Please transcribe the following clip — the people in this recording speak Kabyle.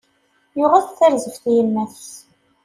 Yuɣ-as-d tarzeft i yemma-s